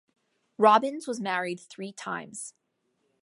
Robbins was married three times.